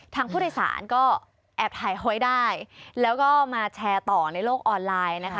ทางผู้โดยสารก็แอบถ่ายไว้ได้แล้วก็มาแชร์ต่อในโลกออนไลน์นะคะ